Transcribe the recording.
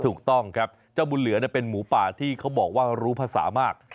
ถูกต้องครับเจ้าบุญเหลือเป็นหมูป่าที่เขาบอกว่ารู้ภาษามาก